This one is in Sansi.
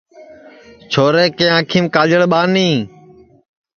چھورے کے آنکھیم کاجݪ ٻانی